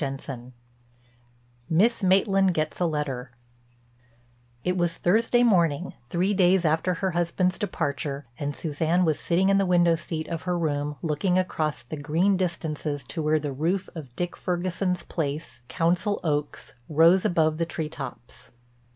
CHAPTER II—MISS MAITLAND GETS A LETTER It was Thursday morning, three days after her husband's departure, and Suzanne was sitting in the window seat of her room looking across the green distances to where the roof of Dick Ferguson's place, Council Oaks, rose above the tree tops.